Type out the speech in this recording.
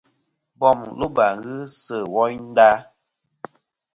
Bom loba ghɨ sɨ woynda.